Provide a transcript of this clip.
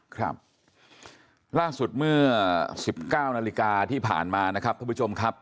ครับล่าสุดเมื่อ๑๙นาฬิกาที่ผ่านมานะครับท่านผู้ชมครับ